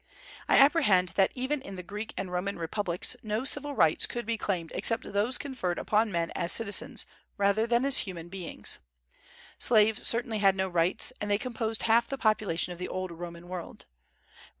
I apprehend that even in the Greek and Roman republics no civil rights could be claimed except those conferred upon men as citizens rather than as human beings. Slaves certainly had no rights, and they composed half the population of the old Roman world.